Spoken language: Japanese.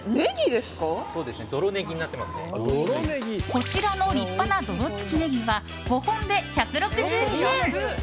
こちらの立派な泥つきネギは５本で１６２円。